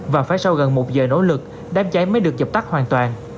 và phải sau gần một giờ nỗ lực đám cháy mới được dập tắt hoàn toàn